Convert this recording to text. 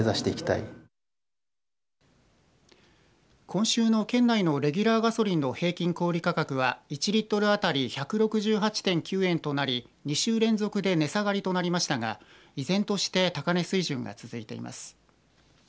今週の県内のレギュラーガソリンの平均小売価格は１リットル当たり１６８．９円となり２週連続で値下がりとなりましたが依然として高値水準が続いています。